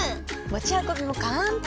持ち運びも簡単！